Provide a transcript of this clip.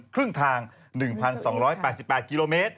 ครึ่งทาง๑๒๘๘กม